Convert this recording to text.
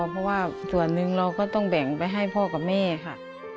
เพราะว่าส่วนหนึ่งเราก็ต้องแบ่งไปให้พ่อกับแม่ค่ะ